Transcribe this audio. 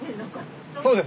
そうです。